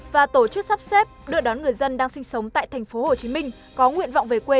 và tổ chức sắp xếp đưa đón người dân đang sinh sống tại tp hcm có nguyện vọng về quê